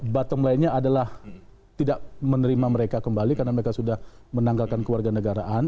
bottom line nya adalah tidak menerima mereka kembali karena mereka sudah menanggalkan keluarga negaraan